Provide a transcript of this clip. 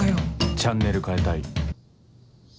チャンネル替えたい